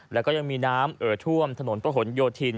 แล้วก็ยังมีน้ำเอ่อท่วมถนนประหลโยธิน